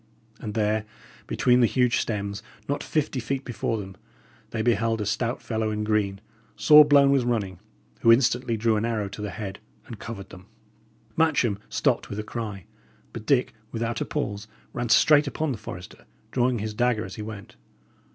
And there, between the huge stems, not fifty feet before them, they beheld a stout fellow in green, sore blown with running, who instantly drew an arrow to the head and covered them. Matcham stopped with a cry; but Dick, without a pause, ran straight upon the forester, drawing his dagger as he went.